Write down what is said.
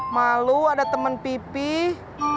malu ada teman pipih